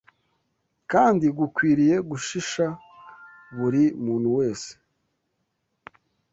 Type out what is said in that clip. kandi gukwiriye gushisha buri muntu wese